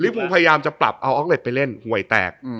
ภูมิพยายามจะปรับเอาออกเล็ตไปเล่นหวยแตก